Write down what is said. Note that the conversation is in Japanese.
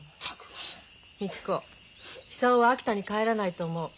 みつ子久男は秋田に帰らないと思う。